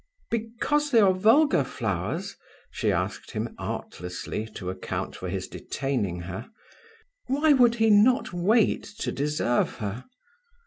"Because they are vulgar flowers?" she asked him, artlessly, to account for his detaining her. Why would he not wait to deserve her!